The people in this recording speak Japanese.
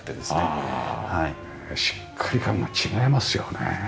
ああしっかり感が違いますよね。